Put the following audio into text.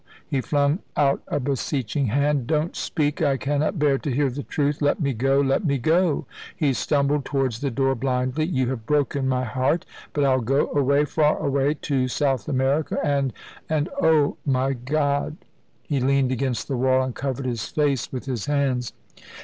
he flung out a beseeching hand; "don't speak I cannot bear to hear the truth. Let me go let me go," he stumbled towards the door, blindly. "You have broken my heart; but I'll go away far away to South America, and and oh, my God!" he leaned against the wall and covered his face with his hands.